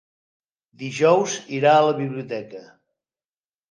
Dijous irà a la biblioteca.